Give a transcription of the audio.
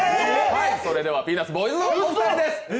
それではピーナッツボーイズのお二人です！